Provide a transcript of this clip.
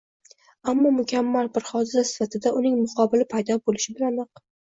Ammo mukammal bir hodisa sifatida uning muqobili paydo bo‘lishi bilanoq